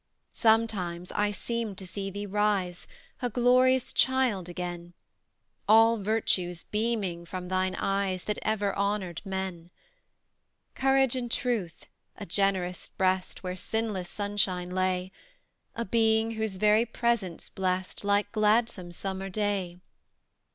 Sometimes I seem to see thee rise, A glorious child again; All virtues beaming from thine eyes That ever honoured men: Courage and truth, a generous breast Where sinless sunshine lay: A being whose very presence blest Like gladsome summer day.